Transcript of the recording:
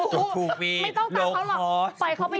โถ่ปีโลกฮอต